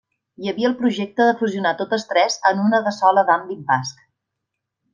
Hi havia el projecte de fusionar totes tres en una de sola d'àmbit basc.